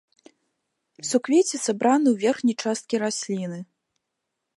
Суквецці сабраны ў верхняй часткі расліны.